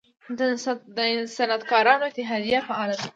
د صنعتکارانو اتحادیه فعال ده؟